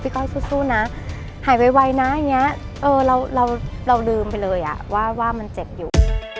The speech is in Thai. ก้อยสู้นะหายไวนะอย่างนี้เราลืมไปเลยว่ามันเจ็บอยู่